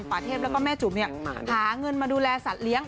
ป่าเทพแล้วก็แม่จุ๋มหาเงินมาดูแลสัตว์เลี้ยง